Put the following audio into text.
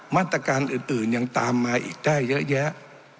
มาตรการอื่นยังตามมาอีกได้เยอะแยะ